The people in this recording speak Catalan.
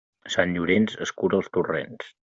Sant Llorenç escura els torrents.